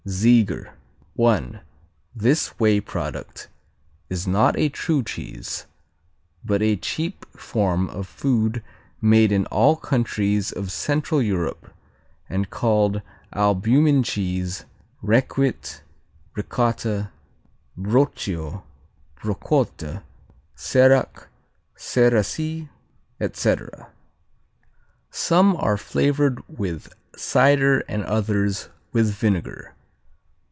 Ziger I. This whey product is not a true cheese, but a cheap form of food made in all countries of central Europe and called albumin cheese, Recuit, Ricotta, Broccio, Brocotte, Serac, Ceracee, etc. Some are flavored with cider and others with vinegar.